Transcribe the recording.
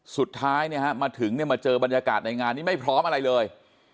สุดท้ายมาถึงเนี่ยมาเจอบรรยากาศในงานนี้ไม่พร้อมอะไรเลย